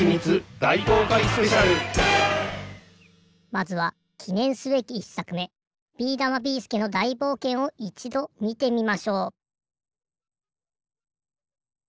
まずはきねんすべき１さくめ「ビーだま・ビーすけの大冒険」をいちどみてみましょう。